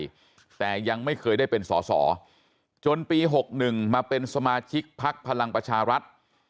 ภูมิใจไทยแต่ยังไม่เคยได้เป็นส่อจนปี๖๑มาเป็นสมาชิกภักดิ์พลังประชารัฐ